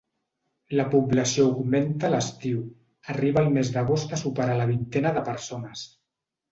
La població augmenta a l'estiu: arriba el mes d'agost a superar la vintena de persones.